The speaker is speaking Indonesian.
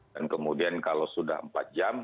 dan kemudian kalau sudah empat jam